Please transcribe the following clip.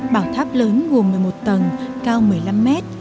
bảo tháp lớn gồm một mươi một tầng cao một mươi năm mét